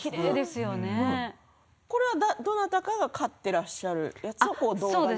これはどなたかが飼ってらっしゃるやつですか？